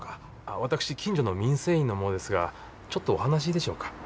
私近所の民生委員の者ですがちょっとお話いいでしょうか？